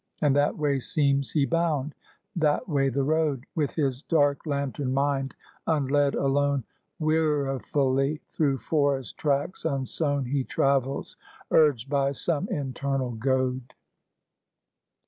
And that way seems he bound; that way the road, With his dark lantern mind, unled, alone, Wearifully through forest tracts unsown, He travels, urged by some internal goad.